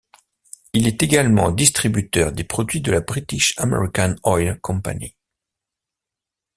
Il est également distributeur des produits de la British American Oil Co.